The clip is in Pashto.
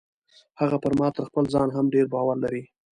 هغه پر ما تر خپل ځان هم ډیر باور لري.